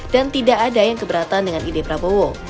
dan tidak ada yang keberatan dengan ide prabowo